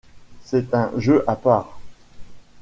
C'est un jeu à part.